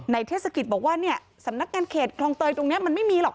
เทศกิจบอกว่าเนี่ยสำนักงานเขตคลองเตยตรงนี้มันไม่มีหรอก